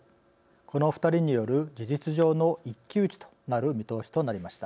この２人による事実上の一騎打ちとなる見通しとなりました。